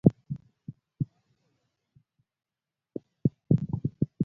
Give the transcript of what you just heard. Pau ndege otimo pii